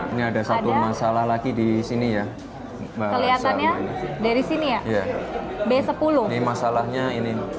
di rumahnya nah setelah masalah lagi di sini ya melihat tanya dari sini ya besok ziet masalahnya ini